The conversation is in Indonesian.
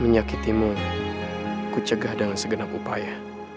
menyakitimu ku cegah dengan segenap upaya